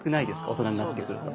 大人になってくると。